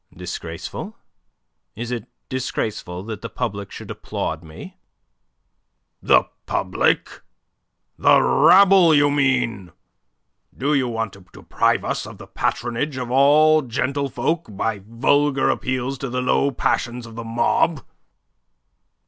"Disgraceful? Is it disgraceful that the public should applaud me?" "The public? The rabble, you mean. Do you want to deprive us of the patronage of all gentlefolk by vulgar appeals to the low passions of the mob?"